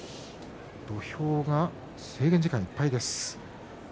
土俵が制限時間いっぱいです。